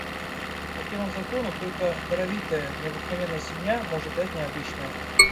По первому закону только даровитая, необыкновенная семья может дать необычное.